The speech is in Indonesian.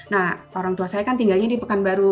nah orang tua saya kan tinggalnya di pekan baru